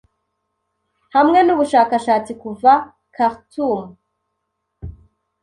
Hamwe n'Ubushakashatsi Kuva Khartoum